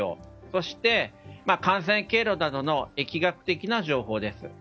そして感染経路などの疫学的な情報です。